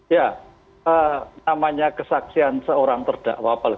ya namanya kesaksian seorang terdakwa